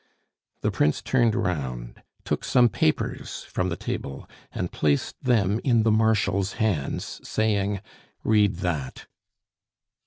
The Prince turned round, took some papers from the table, and placed them in the Marshal's hands, saying, "Read that."